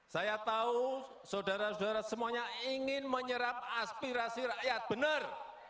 saya tahu saudara saudara semuanya ingin menyerap aspirasi rakyat benar